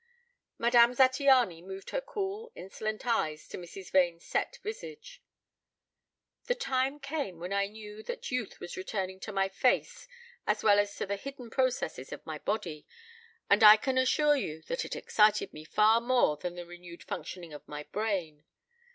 Madame Zattiany moved her cool insolent eyes to Mrs. Vane's set visage. "The time came when I knew that youth was returning to my face as well as to the hidden processes of my body; and I can assure you that it excited me far more than the renewed functioning of my brain.